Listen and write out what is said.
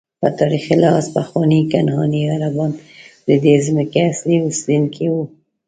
په تاریخي لحاظ پخواني کنعاني عربان ددې ځمکې اصلي اوسېدونکي وو.